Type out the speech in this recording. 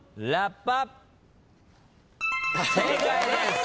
正解です。